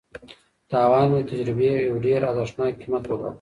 تاوان مې د تجربې یو ډېر ارزښتناک قیمت وباله.